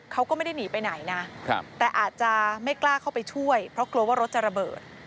เขาก็ไม่ได้หนีไปไหนนะแต่อาจจะไม่กล้าเข้าไปช่วยเพราะกลัวว่ารถจะระเบิด